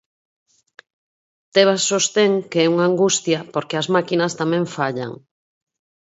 Tebas sostén que é unha angustia porque as máquinas tamén fallan.